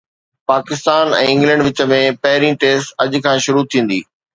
Pakistan ۽ England وچ ۾ پهرين test اڄ کان شروع ٿيندي